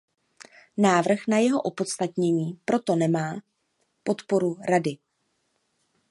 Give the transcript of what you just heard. Návrh na jeho odstranění proto nemá podporu Rady.